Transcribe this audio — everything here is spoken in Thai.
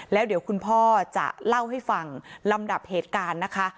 แล้วเดี๋ยวคุณพ่อจะเล่าให้ฟังลำดับเหตุการณ์นะคะ